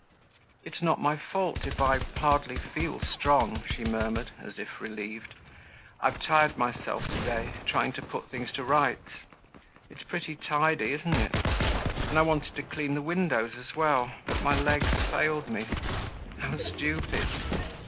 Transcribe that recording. "It's not my fault if I hardly feel strong," she murmured, as if relieved. "I've tired myself to day, trying to put things to rights. It's pretty tidy, isn't it? And I wanted to clean the windows as well, but my legs failed me. How stupid!